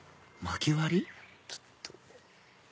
ちょっと。